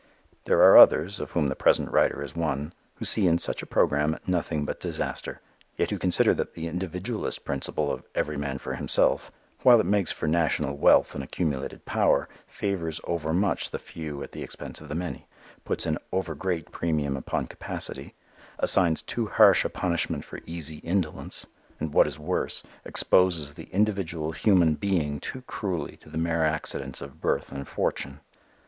There are others, of whom the present writer is one, who see in such a programme nothing but disaster: yet who consider that the individualist principle of "every man for himself" while it makes for national wealth and accumulated power, favors overmuch the few at the expense of the many, puts an over great premium upon capacity, assigns too harsh a punishment for easy indolence, and, what is worse, exposes the individual human being too cruelly to the mere accidents of birth and fortune.